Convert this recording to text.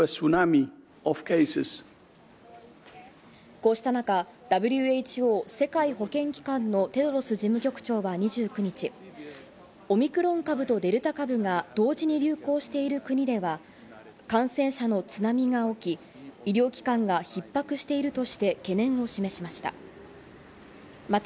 こうした中、ＷＨＯ＝世界保健機関のテドロス事務局長は２９日、オミクロン株とデルタ株が同時に流行している国では感染者の津波が起き、医療機関が逼迫しているとして懸念を示しました。